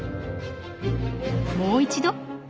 もう一度。